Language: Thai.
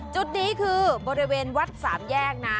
จุดนี้คือบริเวณวัดสามแยกนะ